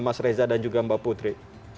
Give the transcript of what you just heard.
mas reza dan juga mbak putri